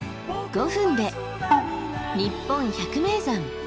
５分で「にっぽん百名山」。